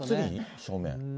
正面？